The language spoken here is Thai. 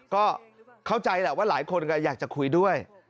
ก็เข้าใจแหละว่าหลายคนก็อยากจะคุยด้วย